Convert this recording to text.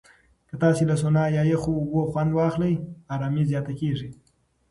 که تاسو له سونا یا یخو اوبو خوند واخلئ، آرامۍ زیاته کېږي.